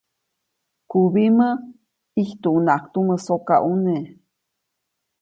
Kubimä, ʼijtuʼunŋaʼajk tumä sokaʼune.